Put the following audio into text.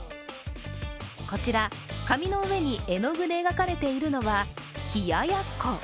こちら、紙の上に絵の具で描かれているのは冷や奴。